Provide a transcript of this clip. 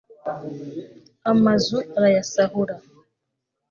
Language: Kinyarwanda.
amazu arayasahura